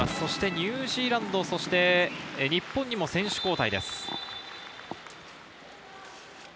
ニュージーランド、日本にも選手交代です。